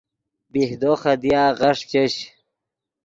بیہدو خدیا غیݰ چش